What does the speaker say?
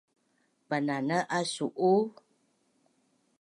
Bananaz asu’u